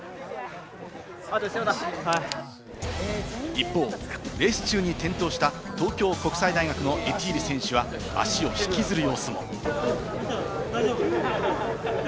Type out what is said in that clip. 一方、レース中に転倒した、東京国際大学のエティーリ選手は足を引きずる様子も。